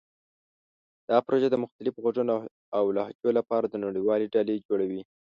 دا پروژه د مختلفو غږونو او لهجو لپاره د نړیوالې ډلې جوړوي.